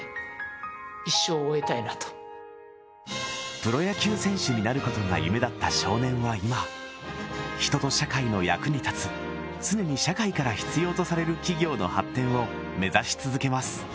プロ野球選手になることが夢だった少年は今人と社会の役に立つ常に社会から必要とされる企業の発展を目指し続けます